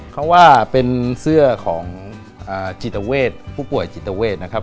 เขาว่าเป็นเสื้อของจิตเวทผู้ป่วยจิตเวทนะครับ